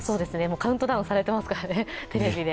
カウントダウンされてますからね、テレビで。